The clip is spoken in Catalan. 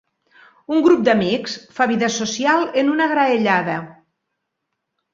Un grup d'amics fa vida social en una graellada.